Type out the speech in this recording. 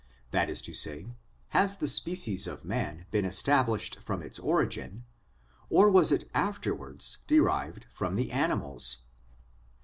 That is to say, has the species of man been established from its origin, or was it afterwards derived from the animals